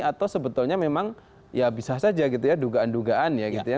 atau sebetulnya memang ya bisa saja gitu ya dugaan dugaan ya gitu ya